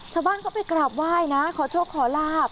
ชาวบ้านเขาไปกราบไหว้นะขอโชคขอลาบ